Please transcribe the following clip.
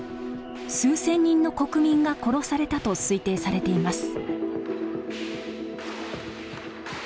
数千人の国民が殺されたと推定されています。